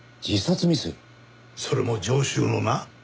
それも常習のな。